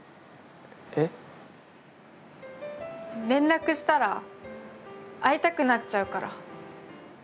えっ？連絡したら会いたくなっちゃうから。